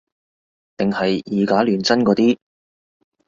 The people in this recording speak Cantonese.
定係以假亂真嗰啲